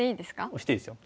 押していいですよ。